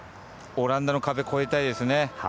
オランダの壁、越えたいですね。